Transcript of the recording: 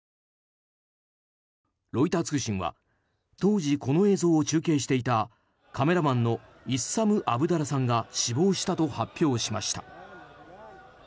ロイター通信は当時この映像を中継していたカメラマンのイッサム・アブダラさんが死亡したと発表しました。